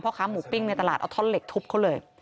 ค้าหมูปิ้งในตลาดเอาท่อนเหล็กทุบเขาเลย